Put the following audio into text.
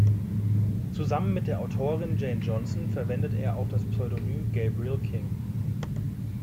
Zusammen mit der Autorin Jane Johnson verwendet er auch das Pseudonym „Gabriel King“.